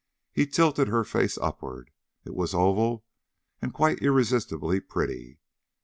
He tilted her face upward. It was oval and quite irresistibly pretty.